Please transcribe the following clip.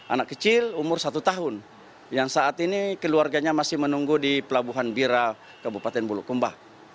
anak kecil umur satu tahun yang saat ini keluarganya masih menunggu di pelabuhan bira kabupaten bulukumba